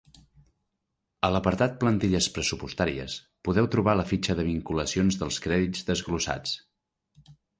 A l'apartat plantilles pressupostàries podeu trobar la fitxa de vinculacions dels crèdits desglossats.